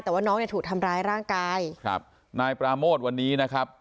แต่ว่าน้องเนี่ยถูกทำร้ายร่างกายครับนายปราโมทวันนี้นะครับ